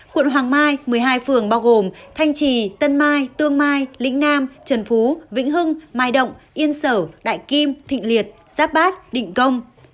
quận hoàng mai một mươi hai phường bao gồm thanh trì tân mai tương mai lĩnh nam trần phú vĩnh hưng mai động yên sở đại kim thịnh liệt giáp bát định công